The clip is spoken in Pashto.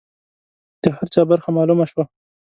د هر چا برخه معلومه شوه.